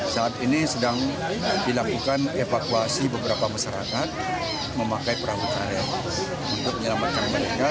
saat ini sedang dilakukan evakuasi beberapa masyarakat memakai perahu karet untuk menyelamatkan mereka